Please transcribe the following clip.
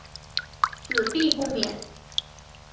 子必不免。